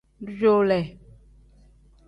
Dujuule.